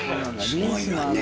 すごいわね。